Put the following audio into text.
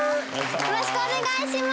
よろしくお願いします！